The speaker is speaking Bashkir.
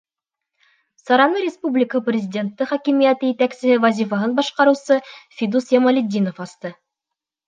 Сараны республика Президенты Хакимиәте етәксеһе вазифаһын башҡарыусы Фидус Ямалетдинов асты.